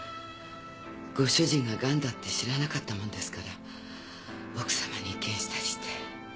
ご主人がガンだって知らなかったものですから奥様に意見いたして。